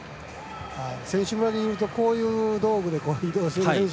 選手村にいるとこういう道具で移動してる選手